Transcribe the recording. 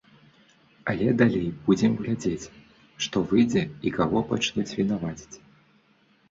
А далей будзем глядзець, што выйдзе і каго пачнуць вінаваціць.